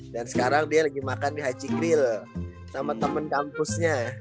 dan sekarang dia lagi makan di haci grill sama temen kampusnya